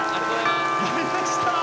鳴りました！